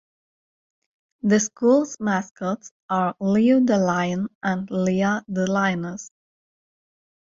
The school's mascots are Leo the Lion and Leah the Lioness.